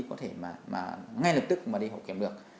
có thể mà ngay lập tức mà đi hậu kiểm được